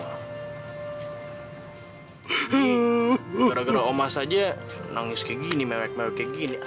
ini gara gara omah saja nangis kayak gini mewek mewek kayak gini